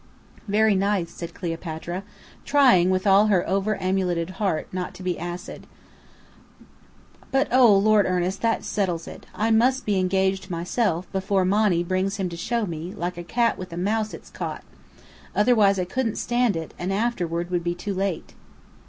"Very nice," said Cleopatra, trying with all her over amuleted heart, not to be acid. "But oh, Lord Ernest, that settles it! I must be engaged myself, before Monny brings him to show me, like a cat with a mouse it's caught. Otherwise I couldn't stand it; and afterward would be too late."